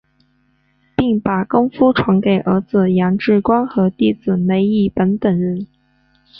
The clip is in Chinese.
并把功夫传给儿子杨志光和弟子梅益本等人。